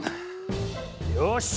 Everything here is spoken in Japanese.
よし！